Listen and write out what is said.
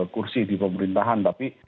kursi di pemerintahan tapi